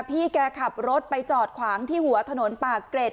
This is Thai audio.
พี่แกขับรถไปจอดขวางที่หัวถนนปากเกร็ด